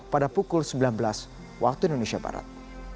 hari sabtu esok pada pukul sembilan belas waktu indonesia barat